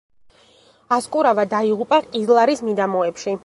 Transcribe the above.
ასკურავა დაიღუპა ყიზლარის მიდამოებში.